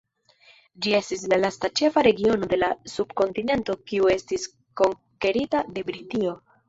Ĝi estis la lasta ĉefa regiono de la subkontinento kiu estis konkerita de Britio.